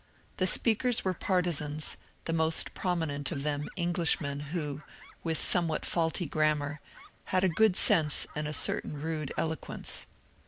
The speakers were partisans, the most prominent of them Englishmen who, with somewhat faulty grammar, had good sense and a certain rude eloquence.